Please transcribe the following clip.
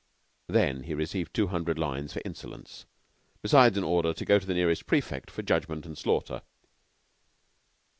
Then he received two hundred lines for insolence, besides an order to go to the nearest prefect for judgment and slaughter.